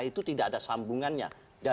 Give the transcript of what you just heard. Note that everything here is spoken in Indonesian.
itu tidak ada sambungannya